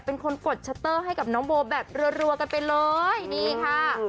เป็นคนกดชัตเตอร์ให้กับน้องโบแบบรัวกันไปเลยนี่ค่ะ